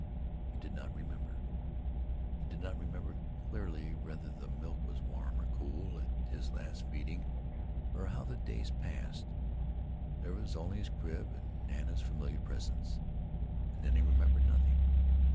He did not remember. He did not remember clearly whether the milk was warm or cool at his last feeding or how the days passed there was only his crib and Nana's familiar presence. And then he remembered nothing.